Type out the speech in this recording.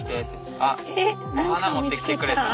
あっお花持ってきてくれたん？